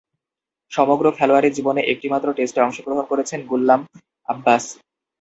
সমগ্র খেলোয়াড়ী জীবনে একটিমাত্র টেস্টে অংশগ্রহণ করেছেন গুলাম আব্বাস।